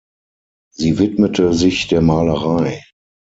Sie widmete sich der Malerei.